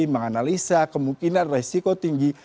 menganalisa kemungkinan resiko tinggi